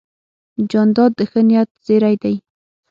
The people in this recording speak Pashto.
جانداد د ښه نیت زېرى دی.